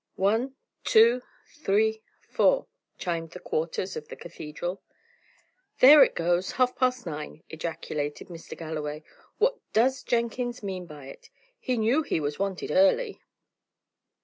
One two, three four! chimed the quarters of the cathedral. "There it goes half past nine!" ejaculated Mr. Galloway. "What does Jenkins mean by it? He knew he was wanted early."